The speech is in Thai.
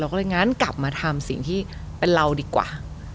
ก็เลยงั้นกลับมาทำสิ่งที่เป็นเราดีกว่า